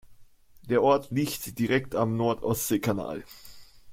Der Ort liegt direkt am Nord-Ostsee-Kanal.